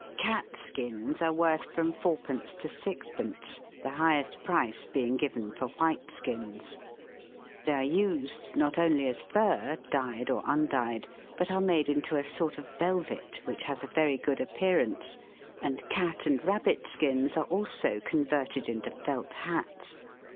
Cat skins are worth from 4d. to 6d., the highest price being given for white skins. They are 286 THE WORLD'S LUMBER ROOM. used, not only as fur, dyed or undyed, but are made into a sort of velvet, which has a very good appearance, and cat and rabbit skins are also converted into felt hats.